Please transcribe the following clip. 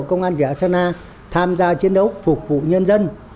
công an giả sơn la tham gia chiến đấu phục vụ nhân dân